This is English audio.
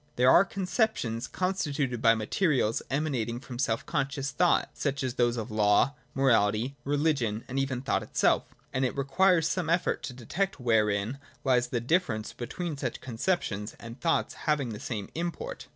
There are concep tions constituted by materials emanating from self con scious thought, such as those of law, morality, religion, and even of thought itself, and it requires some effort to detect wherein lies the difference between such con ceptions and thoughts having the same import.